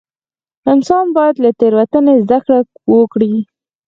انسان باید له تېروتنې زده کړه وکړي.